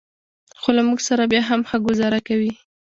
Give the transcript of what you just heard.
خو له موږ سره بیا هم ښه ګوزاره کوي.